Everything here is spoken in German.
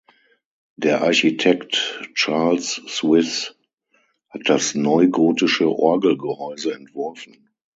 Der Architekt Charles Suisse hat das neugotische Orgelgehäuse entworfen.